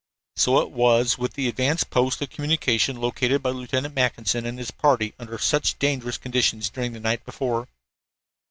So it was with the advance post of communication located by Lieutenant Mackinson and his party under such dangerous conditions during the night before.